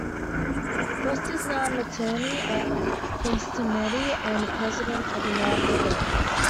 Frost is now an attorney at Polsinelli and president of America Votes.